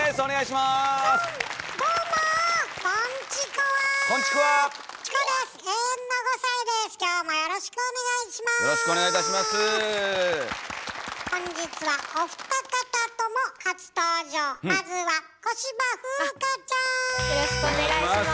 まずはよろしくお願いします。